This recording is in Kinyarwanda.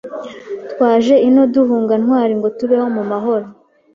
twaje ino duhunga Ntwari ngo tubeho mu mahoro